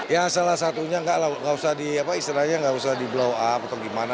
ya salah satunya nggak usah di blow up atau gimana